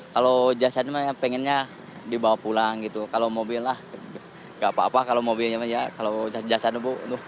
kalau jasaan pengennya dibawa pulang gitu kalau mobil lah nggak apa apa kalau mobilnya kalau jasaan bu